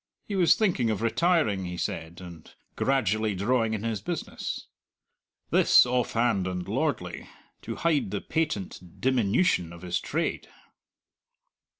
He was thinking of retiring, he said, and gradually drawing in his business. This offhand and lordly, to hide the patent diminution of his trade.